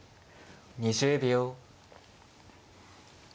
２０秒。